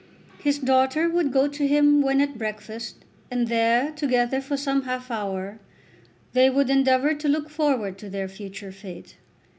His daughter would go to him when at breakfast, and there, together for some half hour, they would endeavour to look forward to their future fate.